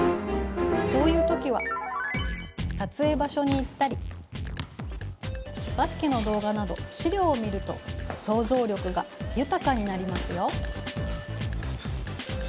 そういう時は撮影場所に行ったりバスケの動画など資料を見ると想像力が豊かになりますよ。